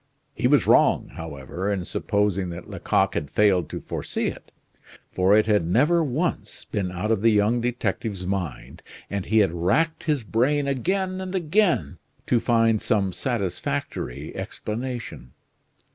He was wrong, however, in supposing that Lecoq had failed to foresee it; for it had never once been out of the young detective's mind; and he had racked his brain again and again to find some satisfactory explanation.